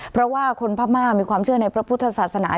เพราะว่าคนพม่ามีความเชื่อในพระพุทธศาสนา